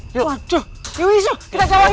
yuk yuk yuk isu kita jawabin yuk